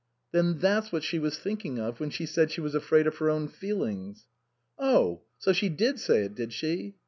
" Then that's what she was thinking of when she said she was afraid of her own feelings." " Oh ! So she did say it, did she